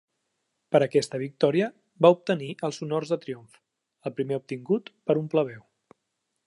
Per aquesta victòria va obtenir els honors del triomf, el primer obtingut per un plebeu.